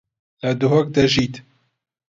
لە دهۆک دەژیت.